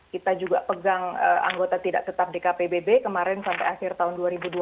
kita juga pegang anggota tidak tetap dkpbb kemarin sampai akhir tahun dua ribu dua puluh